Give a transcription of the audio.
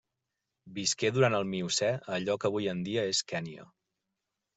Visqué durant el Miocè a allò que avui en dia és Kenya.